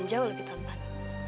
jauh lebih tempat